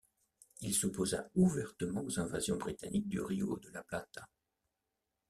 Il s'opposa ouvertement aux invasions britanniques du Río de la Plata.